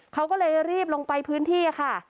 เขาก็เลยรีบลงไปพื้นที่ค่ะ